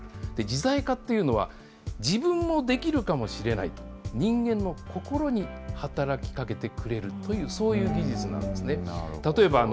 自在化っていうのは、自分もできるかもしれない、人間の心に働きかけてくれるという、そういう技術なんですね。